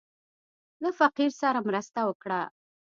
له فقير سره مرسته وکړه.